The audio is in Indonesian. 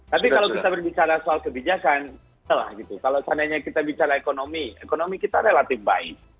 tapi kalau kita berbicara soal kebijakan lah gitu kalau seandainya kita bicara ekonomi ekonomi kita relatif baik